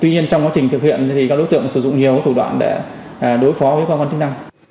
tuy nhiên trong quá trình thực hiện các đối tượng sử dụng nhiều thủ đoạn để đối phó với các con tính năng